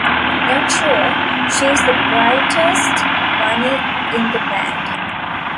Not sure she's the brightest bunny in the band.